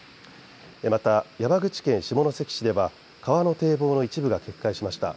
また、山口県下関市では川の堤防の一部が決壊しました。